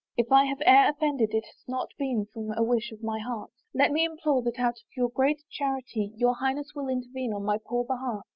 If I have e'er offended it has not been from a wish of my heart's. Let me implore that out of your great charity your Highness will intervene on my poor behalf.